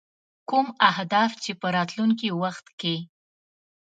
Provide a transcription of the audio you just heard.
کوم اهداف چې په راتلونکي وخت کې.